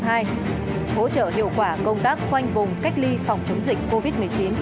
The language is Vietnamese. hỗ trợ hiệu quả công tác khoanh vùng cách ly phòng chống dịch covid một mươi chín